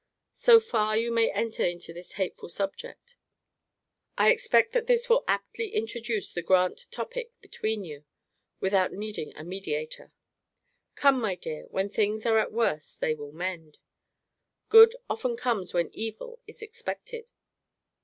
So far you may enter into this hateful subject. I expect that this will aptly introduce the grant topic between you, without needing a mediator. Come, my dear, when things are at worst they will mend. Good often comes when evil is expected.